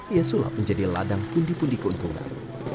ia sulap menjadi ladang kundi kundi keuntungan